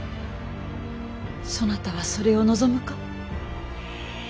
そなたはそれを望むか。